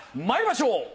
まいりましょう！